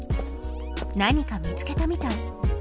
何か見つけたみたい。